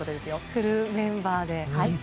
フルメンバーで。